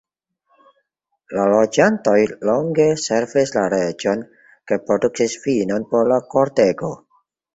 La loĝantoj longe servis la reĝon kaj produktis vinon por la kortego.